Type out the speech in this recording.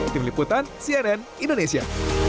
tim liputan cnn indonesia